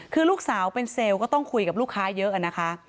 คือลูกสาวเป็นเซลล์ก็ต้องคุยกับลูกค้าเยอะนะคะ